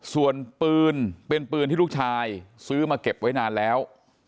ส่วนปืนเป็นปืนที่ลูกชายซื้อมาเก็บไว้นานแล้ว